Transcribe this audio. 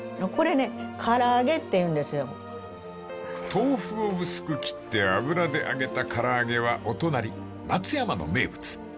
［豆腐を薄く切って油で揚げたからあげはお隣松山の名物］